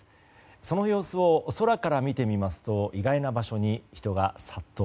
その様子を空から見てみますと意外な場所に人が殺到。